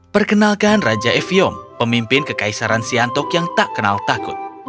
perkenalkan raja eviom pemimpin kekaisaran siantok yang tak kenal takut